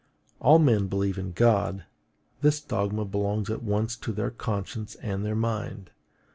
All men believe in God: this dogma belongs at once to their conscience and their mind.